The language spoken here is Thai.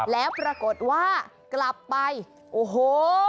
แล้วปรากฏว่ากลับไปโอ้โห